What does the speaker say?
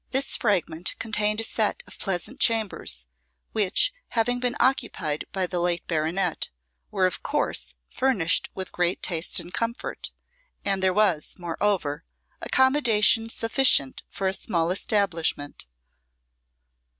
This fragment contained a set of pleasant chambers, which, having been occupied by the late baronet, were of course furnished with great taste and comfort; and there was, moreover, accommodation sufficient for a small establishment.